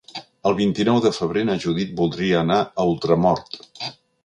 El vint-i-nou de febrer na Judit voldria anar a Ultramort.